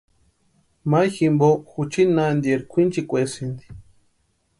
Mayu jimpo juchi nantieri kwʼinchikwaesïnti.